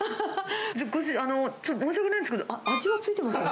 ご主人、ちょっと申し訳ないんですけど、味はついてますよね？